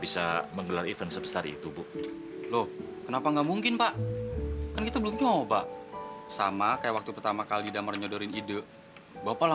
sampai jumpa di video selanjutnya